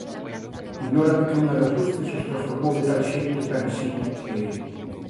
Ignoran que unha das luces os transformou de tal xeito e tan axiña que...